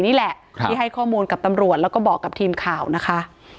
นี่แหละที่ให้ข้อมูลกับตำรวจแล้วก็บอกกับทีมข่าวนะคะ